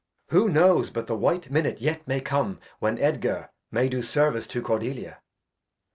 Who knows but the white Minute yet may come. When Edgar may do Service to Cordelia.